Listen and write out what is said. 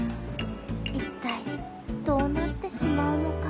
いったいどうなってしまうのか